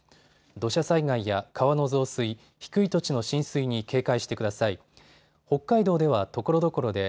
土砂災害や川の増水、低い土地の浸水に警戒してください。